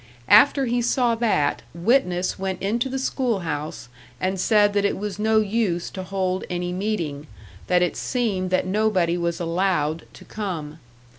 After he saw that, witness went into the school house and said that it was no use to hold any meeting; that it seemed that nobody was allowed to come.